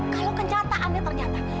kalau kenyataannya ternyata